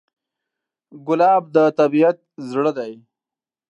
ګلاب د طبیعت زړه دی.